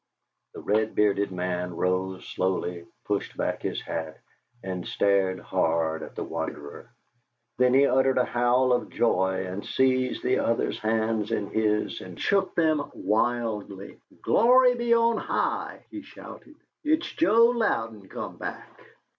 The red bearded man rose slowly, pushed back his hat, and stared hard at the wanderer; then he uttered a howl of joy and seized the other's hands in his and shook them wildly. "Glory be on high!" he shouted. "It's Joe Louden come back!